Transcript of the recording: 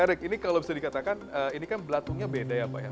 pak erik ini kalau bisa dikatakan ini kan belasungnya beda ya pak ya